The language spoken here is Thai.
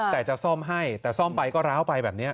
แต่จะซ่อมให้แต่ซ่อมไปก็ร้าวไปแบบนี้